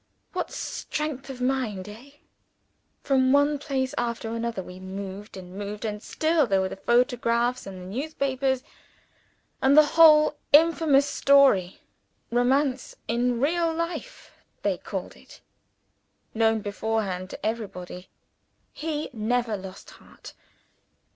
What strength of mind eh? From one place after another we moved and moved, and still there were the photographs, and the newspapers, and the whole infamous story ('romance in real life,' they called it), known beforehand to everybody. He never lost heart.